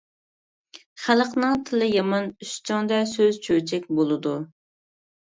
خەلقنىڭ تىلى يامان، ئۈستۈڭدە سۆز-چۆچەك بولىدۇ.